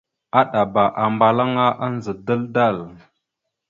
Aɗaba ambalaŋa andza dal-dal.